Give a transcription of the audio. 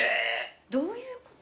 どういうこと？